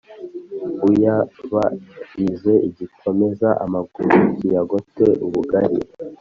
Uyab rize igikomeza amaguru kiyagote ubugari